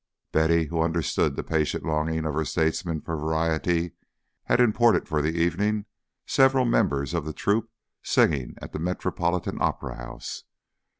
Betty, who understood the patient longing of her statesmen for variety, had imported for the evening several members of the troupe singing at the Metropolitan Opera House.